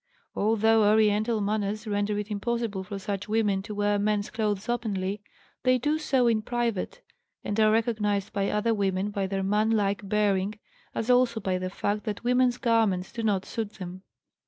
Although Oriental manners render it impossible for such women to wear men's clothes openly, they do so in private, and are recognized by other women by their man like bearing, as also by the fact that women's garments do not suit them.